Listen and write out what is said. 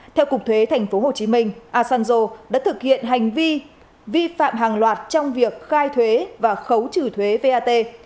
theo cục thuế tp hcm asanjo đã thực hiện hành vi vi phạm hàng loạt trong việc khai thuế và khấu trừ thuế vat